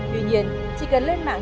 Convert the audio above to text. tuy nhiên chỉ cần lên mạng